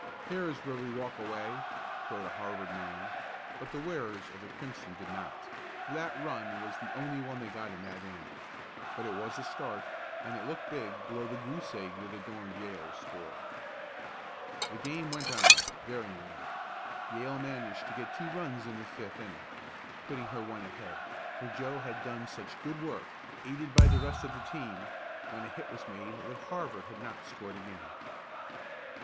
"Here's where we walk away!" crowed a Harvard man, but the wearers of the crimson did not, for that run was the only one they got that inning. But it was a start, and it looked big below the goose egg that adorned Yale's score. The game went on, varyingly. Yale managed to get two runs in the fifth inning, putting her one ahead, for Joe had done such good work, aided by the rest of the team, when a hit was made, that Harvard had not scored again.